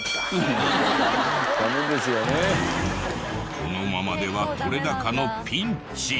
このままでは撮れ高のピンチ。